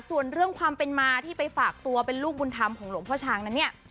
ส่วนเรื่องความเป็นมาที่ไปฝากตัวเป็นลูกบุญธรรมของหลวงพ่อช้างนั้นเนี่ย